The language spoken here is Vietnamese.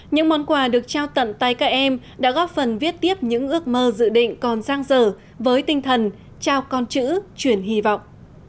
những món quà được trao tận tay các em đã góp phần viết tiếp những ước mơ dự định còn giang dở với tinh thần trao con chữ chuyển hy vọng